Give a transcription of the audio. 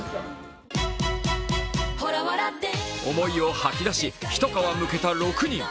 思いを吐き出し、一皮むけた６人。